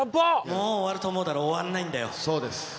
もう終わると思うだろ終わんないんだよ。